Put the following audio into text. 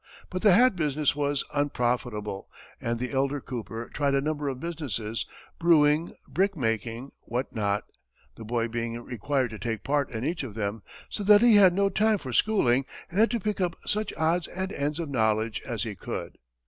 But the hat business was unprofitable, and the elder Cooper tried a number of businesses, brewing, brick making, what not, the boy being required to take part in each of them, so that he had no time for schooling, and had to pick up such odds and ends of knowledge as he could.